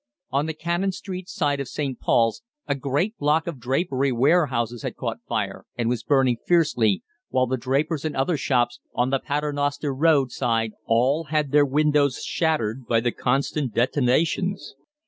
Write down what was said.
On the Cannon Street side of St. Paul's a great block of drapery warehouses had caught fire, and was burning fiercely, while the drapers and other shops on the Paternoster Row side all had their windows shattered by the constant detonations.